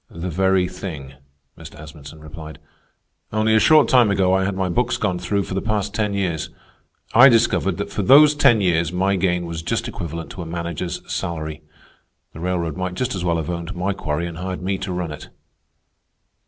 "The very thing," Mr. Asmunsen replied. "Only a short time ago I had my books gone through for the past ten years. I discovered that for those ten years my gain was just equivalent to a manager's salary. The railroad might just as well have owned my quarry and hired me to run it."